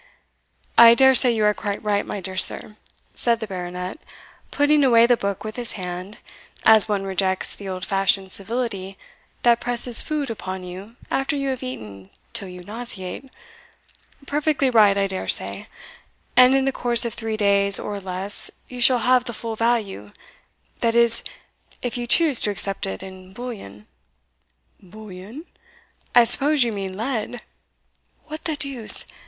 "I daresay you are quite right, my dear sir," said the Baronet, putting away the book with his hand, as one rejects the old fashioned civility that presses food upon you after you have eaten till you nauseate "perfectly right, I dare say; and in the course of three days or less you shall have the full value that is, if you choose to accept it in bullion." "Bullion! I suppose you mean lead. What the deuce!